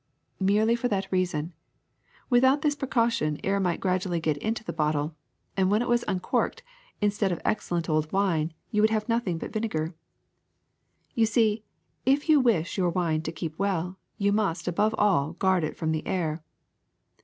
''Merely for that reason. Without this precau tion air might gradually get into the bottle, and when it was uncorked, instead of excellent old wine, you would have nothing but vinegar. You see, if you wish your wine to keep well, you must, above all, guard it from the air.